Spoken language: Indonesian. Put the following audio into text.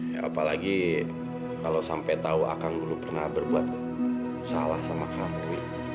ya apalagi kalau sampai tahu akang dulu pernah berbuat salah sama kami